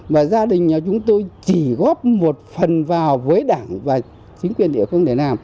mà gia đình nhà chúng tôi chỉ góp một phần vào với đảng và chính quyền địa phương để làm